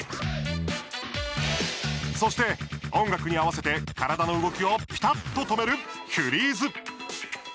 そして、音楽に合わせて体の動きをぴたっと止めるフリーズ。